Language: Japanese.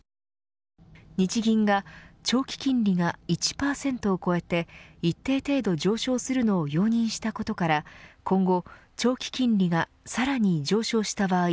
日銀が長期金利が１％を超えて一定程度上昇するのを容認したことから今後、長期金利がさらに上昇した場合